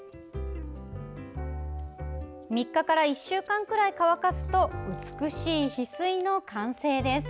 ３日から１週間くらい乾かすと美しいヒスイの完成です。